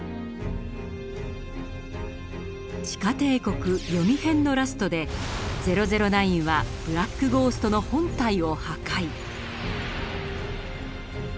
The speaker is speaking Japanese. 「地下帝国“ヨミ”編」のラストで００９はブラック・ゴーストの本体を破壊。